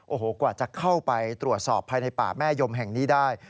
โอ้โหกว่าจะเข้าไปตรวจสอบภายในป่าแม่ยมแห่งนี้ได้